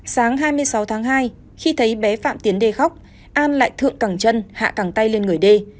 sáng hai mươi sáu tháng hai khi thấy bé phạm tiến đề khóc an lại thượng cẳng chân hạ càng tay lên người đê